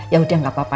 yaudah gak apa apa